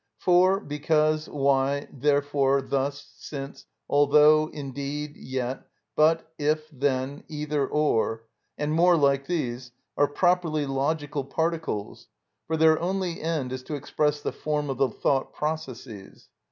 "For, because, why, therefore, thus, since, although, indeed, yet, but, if, then, either, or," and more like these, are properly logical particles, for their only end is to express the form of the thought processes.